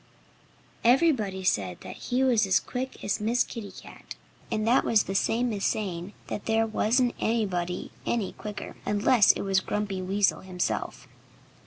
Everybody said that he was as quick as Miss Kitty Cat. And that was the same as saying that there wasn't anybody any quicker unless it was Grumpy Weasel himself.